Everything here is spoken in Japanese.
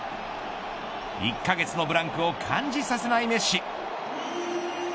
１カ月のブランクを感じさせないメッシ。